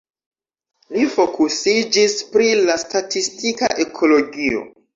Li fokusiĝis pri la statistika ekologio.